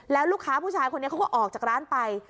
แล้วลูกค้าผู้ชายคนนี้เขาก็ออกจากร้านไป